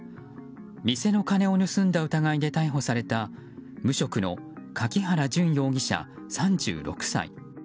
店の金を盗んだ疑いで逮捕された無職の柿原隼容疑者、３６歳。